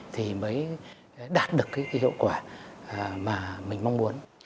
thì mới đạt được cái hiệu quả mà mình mong muốn